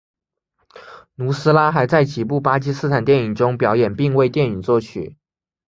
努斯拉还在几部巴基斯坦电影中表演并为电影作曲。